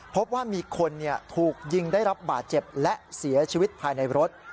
พบว่ามีคนถูกยิงได้รับบาดเจ็บและเสียชีวิตภายในรถ